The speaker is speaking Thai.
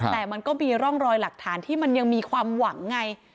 แต่มันก็มีร่องรอยหลักฐานที่มันยังมีความหวังไง